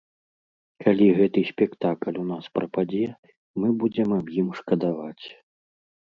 Калі гэты спектакль у нас прападзе, мы будзем аб ім шкадаваць.